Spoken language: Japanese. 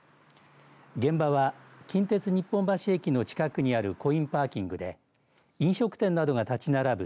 現場は近鉄日本橋駅の近くにあるコインパーキングで飲食店などが立ち並ぶ